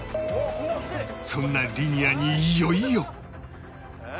そんなリニアにいよいよ